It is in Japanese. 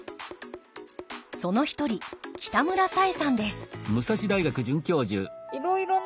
その一人北村紗衣さんです